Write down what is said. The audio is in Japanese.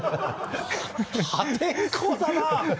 破天荒だなぁ。